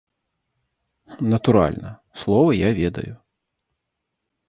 Натуральна, словы я ведаю.